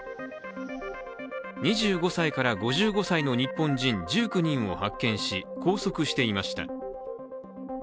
２５歳から５５歳の日本人１９人を発見し拘束していました。